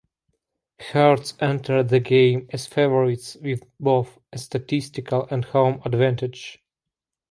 Hearts entered the game as favourites with both a statistical and home advantage.